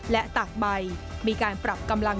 และตากใบมีการปรับกำลัง